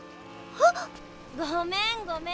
はっ！ごめんごめん。